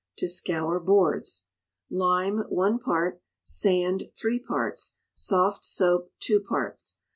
To Scour Boards. Lime, one part; sand, three parts; soft soap, two parts.